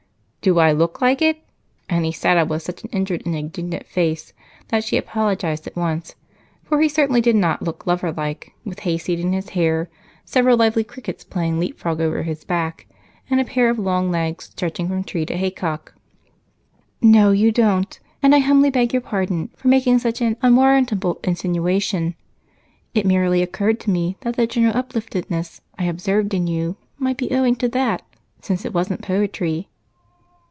"Do I look like it?" And he sat up with such an injured and indignant face that she apologized at once, for he certainly did not look loverlike with hayseed in his hair, several lively crickets playing leapfrog over his back, and a pair of long legs stretching from tree to haycock. "No, you don't, and I humbly beg your pardon for making such an unwarrantable insinuation. It merely occurred to me that the general upliftedness I observe in you might be owing to that, since it wasn't poetry."